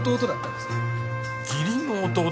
義理の弟？